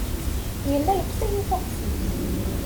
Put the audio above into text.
Yella yeṭṭef-iyi tuḥsift.